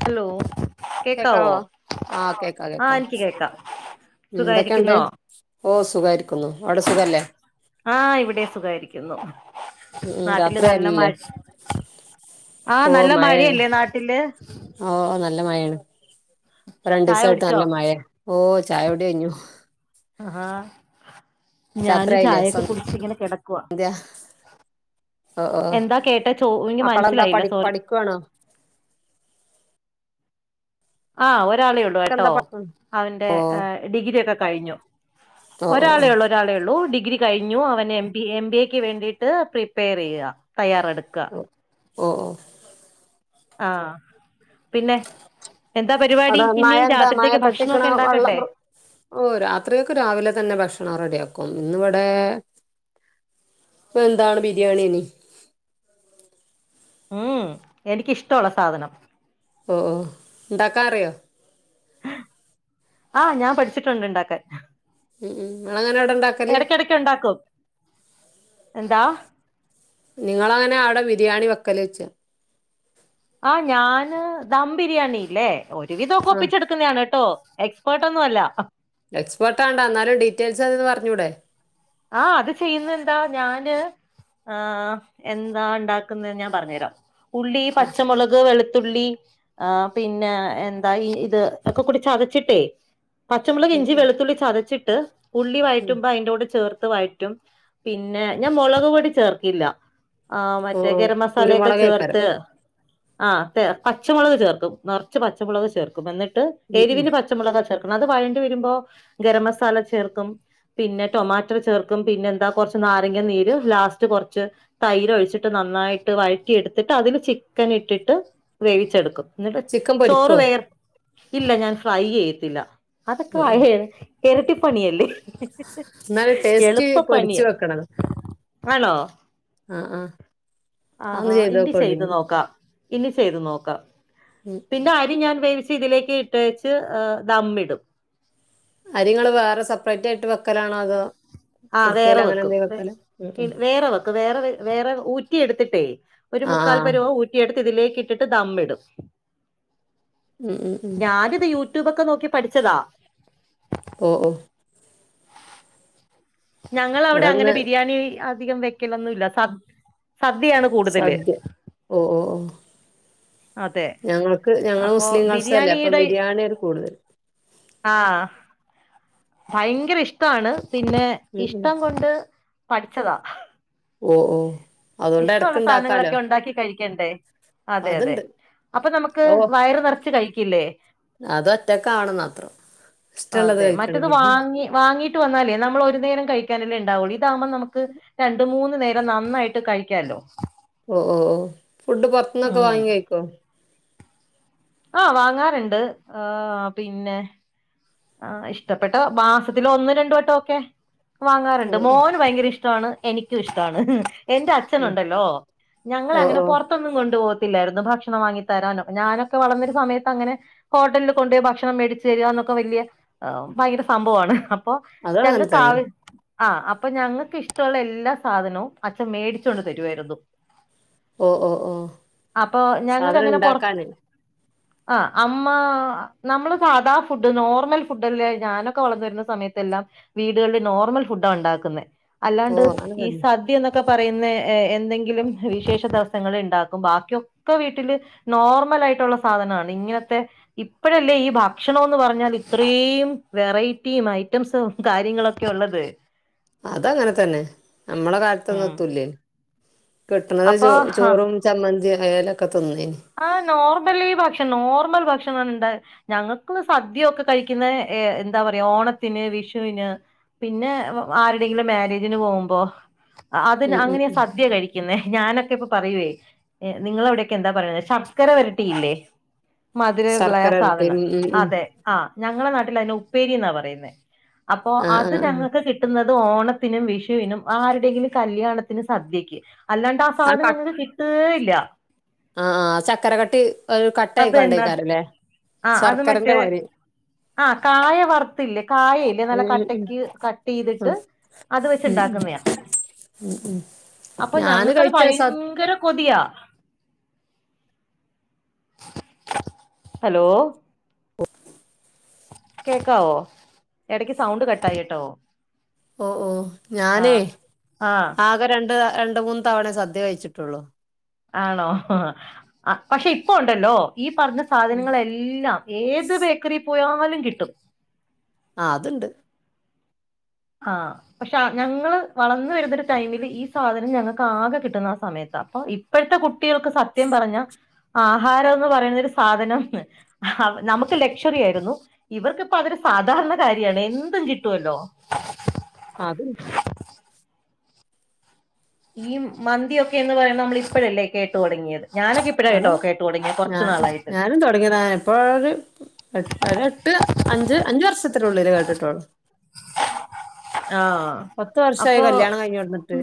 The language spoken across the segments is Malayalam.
ഹലോ കേക്കാവോ ആഹ് കേക്കാം ആ കേക്കാം, എനിക്ക് എന്തൊക്കെയുണ്ട് സുഖായിരിക്കുന്നോ ഓ സുഖായിരിക്കുന്നു അവിടെ സുഖല്ലേ? ആഹ് ഇവിടെ സുഖായിരിക്കുന്നു ഉം ഉം നാട്ടില് നല്ല രാത്രിയായില്ലേ മഴ ആഹ് ഓ നല്ല മഴയാണ് മഴയല്ലേ നാട്ടില്? ഓ നല്ല മഴയാണ് പ്പോ ചായ രണ്ടീസായിട്ട് കുടിച്ചോ നല്ല മായ ഓ ചായോടി കയ്ഞ്ഞു ആഹാ ഞാനും രാത്രിയായില്ലേ ചായയൊക്കെ കുടിച്ചിങ്ങനെ കിടക്കവാ, സന്ധ്യ ഓ ഓ എന്താ കേട്ടാ ചോ ഇനി മക്കളെന്താ മനസ്സിലായില്ല പഠി സോറി പഠിക്കുവാണോ ആഹ ഒരാളേ ഉള്ളു കേട്ടോ എന്താ പഠിക്കുവാ അവന്റെ ഓ ഡിഗ്രി ഒക്കെ കഴിഞ്ഞു ഓ ഓ ഒരാളെ ഉള്ളൂ ഓ ഒരാളെ ഉള്ളൂ ഡി ഡിഗ്രി കഴിഞ്ഞു അവൻ എം എം ബി എക്ക് വേണ്ടിട്ട് പ്രിപ്പയർ ചെയ്യുക തയ്യാറെടുക്കുക. ഓ ഓ ആഹ പിന്നെ എന്താ പരിപാടി അവിടെ മഴ ഇന്ന് എന്താ മഴ രാത്രിത്തേക്ക് കെട്ടിക്കണ ഭക്ഷണോക്കെ വെള്ളം ഉണ്ടാക്കണ്ടേ? ഓ രാത്രിയ ഒക്കെ രാവിലെ തന്നെ ഭക്ഷണം റെഡിയാക്കും ഇന്നിവിടെ എന്താണ് ബിരിയാണീന ഉം എനിക്കിഷ്ടമുള്ള സാധനം, ഓ ഓ ഇണ്ടാക്കാനറിയോ? ആഹ ഞാൻ പഠിച്ചിട്ടുണ്ട് ഉണ്ടാക്കാൻ. ഉം ഉ നള അങ്ങനെ അവിടെ ഇണ്ടാക്കല്? എന്ത? നിങ്ങളങ്ങനെ അവിടെ ബിരിയാണി വെക്കല് വെച്ച? ആ് ഞാന് ദം ബിരിയാണില്ലേ ഒരുവിധം ആ ഒപ്പിച്ചെടുക്കുന്നതാണ് കേട്ടോ എക്സ്പേർട്ട് ഒന്നും അല്ല, ഞ്ഞൂടെ ആഹ അത് ചെയ്യുന്നുന്താ ഞാന് ആ എന്താ ഉണ്ടാക്കുന്നത്െന്ന് ഞാൻ പറഞ്ഞു തരാം ഉള്ളി ഉം പച്ചമുളക് വെളു ത്തുള്ളി ആ പിന്നെ എന്താഈ ഇത് ഒക്കെ കുടി ചതച്ചിട്ടേ, പച്ചമുളക് ഉം ഇഞ്ചി ഉം വെളുത്തുള്ളി ചതച്ചിട്ട് ഉള്ളി ഉം വഴറ്റുമ്പോ അതിണ്ടോടെ ചേർ വായിട്ടും പിന്നെ ഞാൻ മുളക് പോടീ ചേർക്കില്ല ആഹ ഓ മറ്റേ ഓ ഗരം മസാലയൊക്കെ കുരുമുളകേക്കാരം ചേർത്ത്, ആ പച്ചമുളക് ചേർക്കും നിറച്ചു പച്ചമുളക് ചേർക്കും എന്നിട്ട് ഉം ഉം എരിവിന് പച്ചമുളക് ചേർക്ക അത് വഴേണ്ടി വരുമ്പോ ഗരം മസാല ചേർക്കും പിന്നെ ടൊമാ ചേർക്കും പിന്നെ എന്ത നാരങ്ങ നീര് ലാസ്റ്റ് കുറച്ച് തൈര് ഒഴിച്ചിട്ട് നന്നായിട്ട് എടുത്തിട്ട് അതില് ചിക്കൻ ഇട്ടിട്ട് വേവിച്ചെടുക്കും എന്നിട്ട് ചിക്കൻ ചോറ് പൊരിക്കോ വേർ ഇല്ല ഞാൻ ഫ്രൈ ചെയ്യത്തില്ല ആ അതൊക്കെ ആ എരട്ടി പണിയലെ എന്നല് ടേസ്റ്റ് പൊരിച്ച് വെക്കണം, ആണോ ആഹ ആഹ ആഹാ ഇനി ചെയ്ത് നോക്കാം ഇനി ചെയ്ത് നോക്കാം ഉം പിന്നെ അരി ഞാൻ വേവിച്ച ഇതിലേക്ക് ഇട്ട് വച്ച ദമ്മിടും അരിങ്ങള് വേറെ സെപ്പറേറ്റ് ആയിട്ട് വെക്കലാണോ അതോ? ആ കുടുക്കേല് വേറെ അങ്ങനെ വെക്കും എന്തേലും വെക്കലാ ഉം ഉം വേറെ വെക്കും വേറെ വേറെ ഊറ്റി എടുത്തിട്ടേ ഒരു ആ മുക്കാൽ ആ പരൂപ ഊറ്റിയെടുത്ത് ഇതിലേക്ക് കിട്ടിട്ട് ദമ്മിടും ഉം ഉം ഉ ഞാനിത് യൂട്യൂബൊക്കെ നോക്കി പഠിച്ചതാ, ഓ ഓ ഞങ്ങൾ അവിടെ അങ്ങനെ ഇവിടെന്ന് ബിരിയാണി അധികം വെക്കലൊന്നും ഇല്ല സ സദ്യയാണ് കൂടുതല് സദ്യ ഓ ഓ ഓ അതെ ഞങ്ങൾക്ക് ഞങ്ങള് അപ്പൊ മുസ്ലിംസ് അല്ലേ അപ്പം ബിരിയാണിയുടെ ബിരിയാണിയാണ് കൂടുതൽ ആ ഭയങ്കര ഇഷ്ടമാണ് പിന്നെ ഉം ഉം ഇഷ്ടം കൊണ്ട് പഠിച്ചതാ ഓ ഓ അതുകൊണ്ട് ഇടക്ക് ഇഷ്ടമുള്ള ഇണ്ടാക്കാലോ സാധനങ്ങളൊക്കെ ഉണ്ടാക്കി കഴിക്കും ക്കണ്ടേ അതെ അതെ അതുണ്ട് അപ്പൊ നമുക്ക് വയറ് നിറച്ച് കഴിക്കില്ലേ അത്തു ഒറ്റക്കണുന്നത്രം അതെ മറ്റത് വാങ്ങി വാങ്ങീട്ട് വന്നാലേ നമ്മൾ ഒരു നേരം കഴിക്കാനല്ലേ ഉണ്ടാവുള്ളു ഇതാകുമ്പോ നമുക്ക് രണ്ട് മൂന്ന് നേരം നന്നായിട്ട് കഴിക്കാല്ലോ ഓ ഓ ഓ ഫുഡ് പുറത്തുന്നൊക്കെ ഉം വാങ്ങി കഴിക്കും ആ വാങ്ങാറുണ്ട് ആ പിന്നെ ആ ഇഷ്ടപ്പെട്ട മാസത്തി ഒന്ന് രണ്ട് വട്ടമൊക്കെ ഓ വാങ്ങാറുണ്ട് ഓ മോന് ഭയങ്കര ഇഷ്ട ഇഷ്ടമാണ് എനിക്കും ഇഷ്ടമാണ് എന്റെ ഉം. അച്ഛനുണ്ടല്ലോ ഞങ്ങളെ ഓ അങ്ങനെ പുറത്തൊന്നും കൊണ്ടുപോക ല്ലായിരുന്നു ഭക്ഷണം വാങ്ങി തരാനൊക്കെ ഞാനൊക്കെ വളർന്നൊരു സമയത്ത് അങ്ങനെ ഹോട്ടലിൽ കൊണ്ട് പോയി ഭക്ഷണം മേടിച്ചു തരിക എന്നൊക്കെ വലിയ ആ ഭയങ്കര സംഭവമാണ് അപ്പൊ അതും അങ്ങനെ തന്നെ ഞങ്ങൾകാവശ് ആ അപ്പൊ ഞങ്ങൾക്ക് ഇഷ്ടമുള്ള എല്ലാ സാധനവും അച്ഛൻ മേടിച്ചോണ്ട് തരുവായിരുന്നു ഓ ഓ ഓ അപ്പൊ ഞങ്ങക്ക് സാധനം അങ്ങനെ പൊറ ഉണ്ടാക്കാന് ആ അമ്മ നമ്മള് സാധാ ഫുഡ് നോർമൽ ഫുഡല്ലേ ഞാനൊക്കെ വളർന്നു വരുന്ന സയത്തെല്ലാം വീടുകളിൽ നോർമൽ ഫുഡാണ് ഉണ്ടാക്കുന്നത് ഓ അല്ലാണ്ട് അങ്ങനെ ഈ തന്നെ സദ്യ എന്നൊക്കെ ന്നൊക്കെ പറയുന്നെ എന്തെങ്കിലും വിശേഷ ദിവസങ്ങളിൽ ഉണ്ടാക്കും ബാക്കിയൊക്കെ വീട്ടില് നോർമ ലായിട്ടുള്ള സാധനമാണ് ഇങ്ങനത്തെ ഇപ്പഴല്ലേ ഈ ഭക്ഷണോന്ന് പറഞ്ഞാൽ ഇത്രയും വെറൈറ്റിയും ഐറ്റംസും കാര്യങ്ങളൊക്കെ ഉള്ളത് അതങ്ങനെ തന്നെ നമ്മടെ കാലത്തൊന്നും ഉം എത്തൂല്ലേ കിട്ടുന്നത് ചോ അപ്പൊ ആഹ് ചോറും ചമ്മന്തി അയല ആ നോർമൽ ഈ ഭക്ഷണം നോർമൽ ഭക്ഷണ ഉണ്ട ഞങ്ങൾക്ക് സദ്യ ഒക്കെ കഴിക്കുന്നെ എന്താ പറയാ ഓണത്തിന് വിഷുവിന് പിന്നെ ആരുടെങ്കിലും മാരേജിന് പോകുമ്പോ അതിന് ഉം ഉം അങ്ങനെയാ ഉം സദ്യ കഴിക്കുന്നേ ഞാനൊക്കെ ഇപ്പൊ പറയുവേ നിങ്ങള് അവിടെയൊക്കെ എന്താ പറയ ശർകര വരട്ടിയില്ലേ മധുരമുള്ള ആ ശർക്കര ഉരുട്ടി ഉം സാധനം ഉം ഉം അതെ ആ ഞങ്ങള നാട്ടി ഉപ്പേരി എന്നാ പറയുന്നുന്നത് അപ്പോ ആ ആ അത് ആ ഞങ്ങൾക്ക് കിട്ടുന്നത് അത് ഓണത്തിനും വിഷുവിനും ആരുടെയെങ്കിലും കല്യാണത്തിന് സദ്യയ്ക്ക് അല്ലാണ്ട് ആ സാധനം ഞങ്ങക്ക് കിട്ടുകേ ഇല്ല ആ ആ ചക്കര കട്ടി ഒരു കട്ട അത് തന്നെ ആയിക്കണ്ടേക്കാരല്ലേ ആ അത് മറ്റേ ശർക്കരന്റെ മാതിരി ആ കായ വറുത്തില്ലേ കായയില്ലേ ഉം നല്ല ഉം ഉം കട്ടക്ക് കട്ട് ചെയ്തിട്ട് അത് ഉം വെച്ചുണ്ടാക്കു ഉം ക്കുന്നെയാ ഉം ഉം. അപ്പൊ ഞാന് ഞങ്ങക്ക് അത് കഴിച്ച സ ഭയങ്കര കൊതിയ ഹലോ കേൾക്കാവോ ഇടക്ക് സൗണ്ട് കട്ട് ആയി കേട്ടോ ഓഹ് ഓഹ് ആ ഞാനേ ആ ആകെ രണ്ട് ര ണ്ട് മൂന്ന് തവണേ സദ്യ കഴിച്ചിട്ടുള്ളൂ ആണോ പക്ഷെ ഇപ്പൊ ഉണ്ടല്ലോ ഈ പറഞ്ഞ ഉം. സാധനങ്ങളെല്ലാം ഏത് ബേക്കറിൽ പോയാലും കിട്ടും ആ അതുണ്ട് ആ പക്ഷെ ഞങ്ങള് വളർന്ന വരുന്നൊരു ടൈമില് ഈ സാധനം ഞങ്ങൾക്ക് ആകെ കിട്ടുന്ന ആ സമയത്ത് അപ്പൊ ഇപ്പോഴത്തെ കുട്ടികൾക്ക് സത്യം പറഞ്ഞാ ആഹാരം എന്ന് പറയുന്ന ഒരു സാധനം നമുക്ക് ലക്ഷ്വറി ആയിരുന്നു ഇവർക്കിപ്പ അതൊരു സ സാധാരണ കാര്യാണ് എന്തും കിട്ടുവല്ലോ അതെ ഈ മന്തിയൊക്കെ എന്ന് പറയുന്ന നമ്മളിപ്പഴല്ലേ കേട്ടു തുടങ്ങിയത് ഞാനൊക്കെ ഇപ്പഴാ കേട്ടോ കേട്ടു തുടങ്ങിയ ഞ കുറച്ചു നാളായിട്ട് ഞാനും തൊടങ്ങിയത ഇപ്പോ ഒരു എട്ടര എട്ട് അഞ്ച് അഞ്ച് വർഷം ഉള്ളില് കേട്ടിട്ടോളു [inaudible] ആഹ് പത്ത് വർഷായി അപ്പൊ കല്യാണം കഴിഞ്ഞുവന്നിട്ട്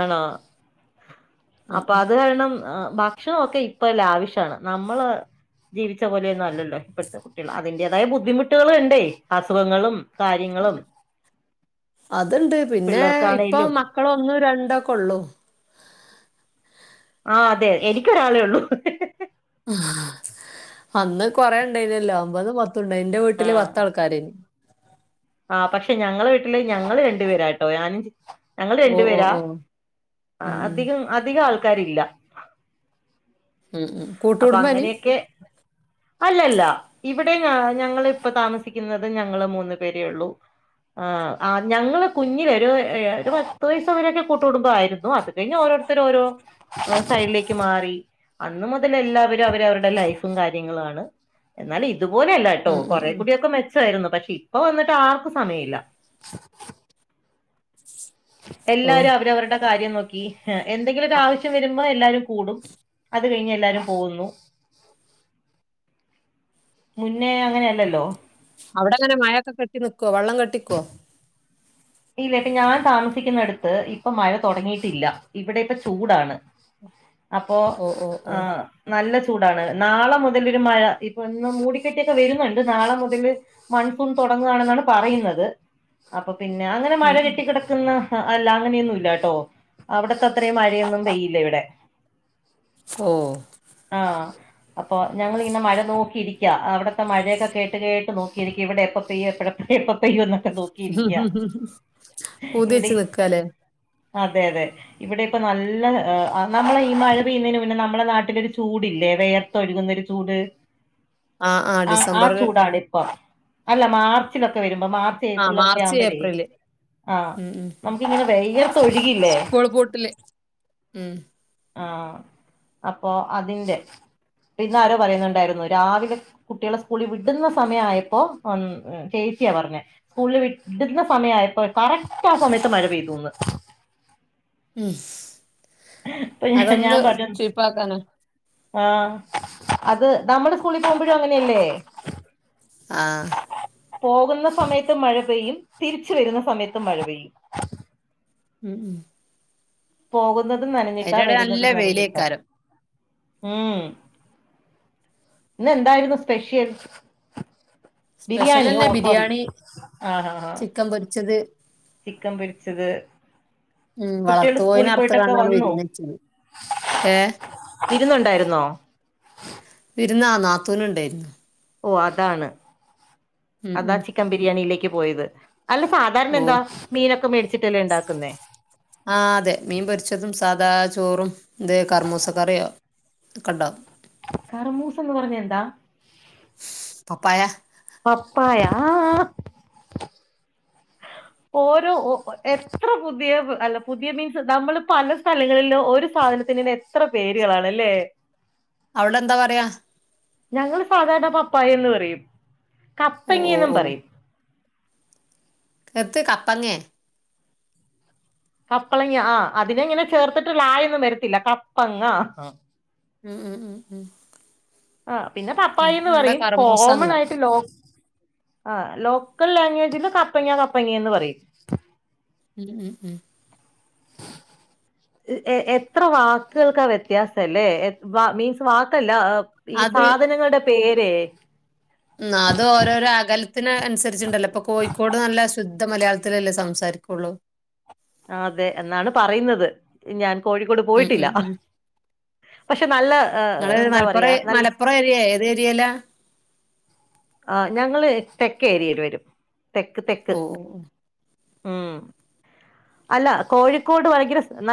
ആണോ ഉം അപ്പ ഉം അത് കാരണം ആ ഭക്ഷണം ഒക്കെ ഇപ്പലാവശ്യാണ് നമ്മള് ജീവിച്ച പോലേന്നും അല്ലല്ലോ ഇപ്പഴ്‌ത്ത കുട്ടികള് അതിന്റെതായ ബുദ്ധിമുട്ടുകളിണ്ടേ അസുഖങ്ങളും കാര്യങ്ങളും അതുണ്ട് പിന്നെ ഇപ്പൊ പിള്ളേർക്കാണേലും മക്കളൊന്നും രണ്ടൊ ക്കൊള്ളു ആ അതെ എനിക്കൊരാളെ ഉള്ളൂ ആഹ് അന്ന് കൊറേ ഉണ്ടായ്നല്ലോ അമ്പത് പത്തുണ്ട് എന്റ വീട്ടില് പത്താൾക്കാരാന് ആഹ് പക്ഷെ ഞങ്ങളെ വീട്ടില് ഞങ്ങള് രണ്ടുപേരായിട്ടോ ഞാനും ച് ഞങ്ങള് ഓ രണ്ടു ഓ പേരാ ഓ ആ ഉം ഉം അധികം അധികം ആൾ ക്കാരില്ല ഉം ഉം അപ്പൊ കൂട്ടുകുടുംബാനി അങ്ങനെയൊക്കെ അല്ലല്ല ഈ ഇവിടെ ഞ ഞങ്ങളിപ്പ താമസിക്കുന്നത് ഞങ്ങള് മൂന്ന് പേരെ ഉള്ളൂ ആ ആ ഞങ്ങള് കുഞ്ഞിവെരോ ഏഹ് ഒരു പത്ത് വയസ് വരെയൊക്കെ കൂട്ട്കുടുമ്പം ആയിരുന്നു അത് കഴിഞ്ഞ് ഓരോ ഓരോരുത്തര് ഓരോ സൈഡിലേക്ക് മാറി അന്ന് മൊ ത്തത്തിൽ എല്ലാവരും അവരവരുടെ ലൈഫും കാര്യങ്ങളു ആണ് എന്നാലും ഇതുപോലെയല്ലട്ടോ ഉം ഉം കൊറെേ ഉം കൂടിയൊക്കെ മെച്ച ത്തായിരുന്നു പക്ഷെ ഇപ്പൊ വന്നിട്ട് ആർക്കും സമയില്ല ഓ എല്ലാരും അവരവരുടെ കാര്യം നോക്കി ഏഹ് എന്തെങ്കിലും ഒരു അ- ആവശ്യം വരുമ്പോ എല്ലാരും കൂടും അ അത് കഴിഞ്ഞ് എല്ലാരും പോവുന്നു മുന്നേ അങ്ങനെയല്ലല്ലോ അവിടെങ്ങനെ മഴയൊക്കെ കെട്ടി നിക്കുവോ വെള്ളം കെട്ടിക്കുവോ? ഇല്ല ഇപ്പൊ ഞാൻ താമസിക്കുന്നടുത്ത് ഇപ്പൊ മഴ തൊടങ്ങിയിട്ടില്ല ഇവിടെ ഇപ്പ ചൂടാണ് [inaudible] അപ്പോ ഓ ഓ ആ ഓ നല്ല ചൂടാണ് നാള മുതലൊരു മഴ ഇപ്പൊ ഇന്ന് മൂടിക്കെട്ടിയൊക്കെ വെരുന്നുണ്ട് നാള മുതല് മൺസൂൺ തൊ ടങ്ങാണെന്നാണ് പറയുന്നത് അപ്പൊ പിന്നെ അങ്ങനെ മഴ ഉം ഉം. കെട്ടിക്കിടക്കുന്ന അ അല്ല അങ്ങനെയൊന്നും ഇല്ലാട്ടോ അവിടത്ത അത്രേം മഴയൊന്നും പെയ്യില്ല ഇവിടെ ഓ ആഹ് അപ്പൊ ഞങ്ങളിങ്ങനെ മഴ നോക്കിയിരിക്ക അവിടത്തെ മഴയൊക്കെ കേട്ട് കേട്ട് നോക്കിയിരിക്ക ഇവിടെ എപ്പ പെയ്യ് എപ്പഴ എപ്പം പെയ്യോന്നൊക്കെ നോക്കിയിരിക്ക പൂതി വെച്ച് ഇവിടെ നിക്കാലേ അതെ അതെ ഇവിടെ ഇപ്പൊ നല്ല ആ നമ്മള് ഈ മഴ പെയ്യുന്നേന് മുന്നെ നമ്മള നാട്ടിലൊരു ചൂടില്ലെ ദേ വെയർത്തൊഴുകുന്നൊരു ചൂട് ആ ആ ചൂടാണ് ഇപ്പം അല്ല മാർച്ചിലൊക്കെ വെരുമ്പോ മാർച്ച് ആ ഏപ്രിലൊക്കെ മാർച്ച് ആവുമ്പഴേ ഏപ്രില് ആഹ് ഉം ഉം നമക്കിങ്ങനെ വെയർത്ത് ഒഴുകില്ലേ സ്കൂൾ പൂട്ടില് ഉം ആഹ് അപ്പൊ അതിന്റെ ഇന്ന് ആരോ പറയുന്നുണ്ടായിരുന്നു രാവിലെ കുട്ടികളെ സ്കൂളിൽ വിടുന്ന സമയായപ്പോ ഒന്ന് ചെയ് ച്ചിയാ പറഞ്ഞെ സ്കൂളിൽ വിടുന്ന സമയായപ്പോ കറക്റ്റ് ആ സമയത്ത് മഴ പെയ്തൂന്ന് ഉം അപ്പൊ ഞാൻ അതൊന്ന് ചീപ്പാക്കാന ആ അത് നമ്മുടെ സ്കൂളി പോ മ്പഴും അങ്ങനെയല്ലേ? ആ പോകുന്ന സമയത്തും മഴ പെയ്യും തിരിച്ച് വെരുന്ന സമയത്തും മഴ പെയ്യും ഉം ഉം പോകുന്നതും നനഞ്ഞിട്ടാ അതിന്റെടെ നല്ല വരുന്നതും നനഞ്ഞിട്ടാ വെയിലേക്കാരം ഉം ഇന്ന് എന്തായിരുന്നു സ്പെഷ്യൽ സ്പെഷ്യൽ ബിരിയാണി ഓ തന്നെ സോറി ബിരിയാണി ആഹ് ആഹ് ആഹ് ചിക്കൻ പൊരിച്ചത് ചിക്കൻ പൊരിച്ചത് ഉം കുട്ടികൾ വളർത്തു കോയിനെ സ്കൂളിൽ അറുത്ത് പോയിട്ടൊക്കെ കാണ്ടാണ് വന്നോ വിരുന്ന് വെച്ചത് ഏ വിരുന്നുണ്ടായിരുന്നോ വിരുന്നാ ആ നാത്തൂൻ ഉണ്ടായിരുന്നു ഓ അതാണ് ഉം അതാ ഉം ചിക്കൻ ബിരിയാണിയിലേക്ക് പോയത് അല്ല സാധാരണ ഓ എന്താ മീനൊക്കെ മേടിച്ചിട്ടല്ലേ ഉണ്ടാക്കുന്നേ ആഹ് അതെ മീൻ പൊരിച്ചതും സാധ സാധാ ചോറും ഇത് കർമൂസക്കറിയോക്കെ ഉണ്ടാവും കറമൂസന്ന് പറഞ്ഞ എന്താ പപ്പായ പപ്പായാ ഓരോ എത്ര പുതിയ അല്ല പുതിയ മീൻസ് നമ്മൾ പല സ്ഥലങ്ങളിൽ ഓരോ സാധനത്തിനെന്നെഎത്ര പേരുകളാണല്ലേ അവടെ എന്താ പറയാ ഞങ്ങൾ സാധാരണ പപ്പായു ന്ന് പറയും ഓ ഓ കപ്പങ്ങയെന്നും ഓ പറയും എത്ത് കപ്പങ്ങേ കപ്പളങ്ങ ആ അതിന് ഇങ്ങനെ ചേർത്തിട്ടുള്ളായൊന്നും വരത്തില്ല കപ്പങ്ങ ഉം ഉം ഉം ഉം ആ പിന്നെ ഉം. പപ്പായന്ന് അവിടെ പറയും കർമൂസാന്ന് കോമൺ പറയും ആയിട്ട് ലോ ആ ലോ ലാംഗ്വേജിൽ കപ്പങ്ങ കപ്പങ്ങന്ന് പറയും ഉം ഉം ഉം [unintelligible] എത്ര വാക്കുകൾക്കാ വ്യത്യാസല്ലേ മീൻസ് വാക്കല്ല ഈ അത് സാധനങ്ങളുടെ പേരെ അത് ഓരോരോ അകലത്തിന് അനുസരിച്ചുണ്ടല്ലോ ഇപ്പൊ കോഴിക്കോട് നല്ല ശുദ ദ്ധ മലയാളത്തിലല്ലേ സംസാരിക്കുള്ളൂ അതെ എന്നാണ് പറയുന്നത് ഞാൻ കോഴിക്കോട് ഉം പോയിട്ടില്ല ഉം ഉം. പക്ഷെ നല്ല നിങ്ങള് എന്താ പറയാ മലപ്പുറം നല്ല [inaudible] മലപ്പുറം ഏരിയ ഏത് ഏരിയയിലാ ആ ഞങ്ങൾ തെക്ക് ഏരിയൽ വരും തെക്ക് തെക്ക് ഓ ഓ, ഓ ഉം അല്ല കോഴിക്കോട് ഭയങ്കര ന